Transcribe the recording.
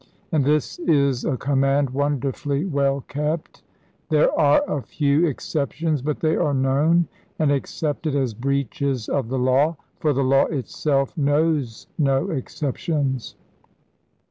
And this is a command wonderfully well kept. There are a few exceptions, but they are known and accepted as breaches of the law, for the law itself knows no exceptions.